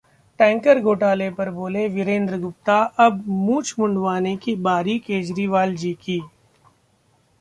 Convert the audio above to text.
tanker घोटाले पर बोले विजेंद्र गुप्ता- अब मूंछ मुंडवाने की बारी केजरीवाल जी की